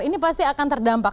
ini pasti akan terdampak